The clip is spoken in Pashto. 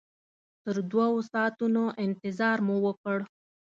تر دوو ساعتونو انتظار مو وکړ.